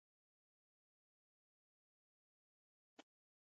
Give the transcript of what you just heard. احمد د واده ډوډۍ په دواړو ژامو وخوړه.